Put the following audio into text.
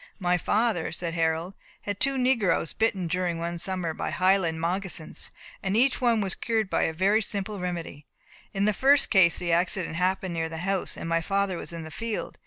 "My father," said Harold, "had two negroes bitten during one summer by highland moccasins, and each was cured by a very simple remedy. In the first case the accident happened near the house, and my father was in the field.